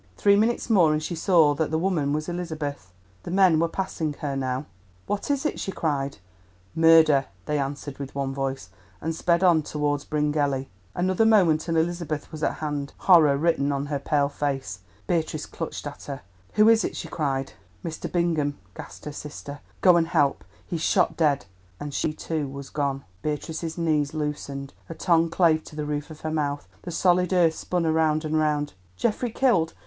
Three minutes more and she saw that the woman was Elizabeth. The men were passing her now. "What is it?" she cried. "Murder!" they answered with one voice, and sped on towards Bryngelly. Another moment and Elizabeth was at hand, horror written on her pale face. Beatrice clutched at her. "Who is it?" she cried. "Mr. Bingham," gasped her sister. "Go and help; he's shot dead!" And she too was gone. Beatrice's knees loosened, her tongue clave to the roof of her mouth; the solid earth spun round and round. "Geoffrey killed!